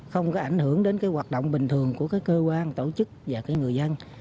không có ảnh hưởng đến cái hoạt động bình thường của các cơ quan tổ chức và người dân